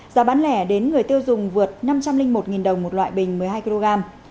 giá bán lẻ đến người tiêu dùng vượt năm trăm linh một đồng một loại bình một mươi hai kg